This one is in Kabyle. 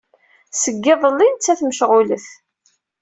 Seg iḍelli nettat mecɣulet.